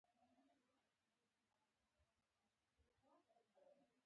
هغه وویل چې روسانو په برلین کې په ښځو رحم نه کاوه